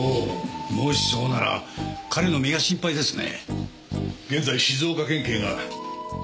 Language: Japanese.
もしそうなら彼の身が心配ですね。